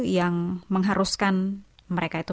yang mengharuskan mereka itu